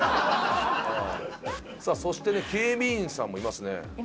さあそしてね警備員さんもいますね。